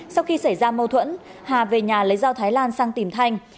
sau khi xảy ra mâu thuẫn hà về nhà lấy dao thái lan sang tìm thanh